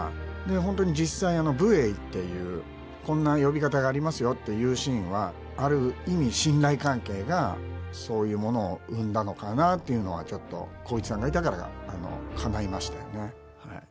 本当に実際、武衛というこんな呼び方がありますよっていうシーンは、ある意味信頼関係がそういうものを生んだのかなっていうのは浩市さんがいたからかないましたよね。